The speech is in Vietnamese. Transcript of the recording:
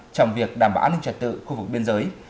trong việc đảm bảo an ninh trật tự khu vực biên giới